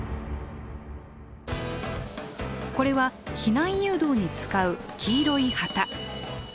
これは避難誘導に使う黄色い旗。